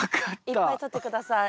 いっぱいとって下さい。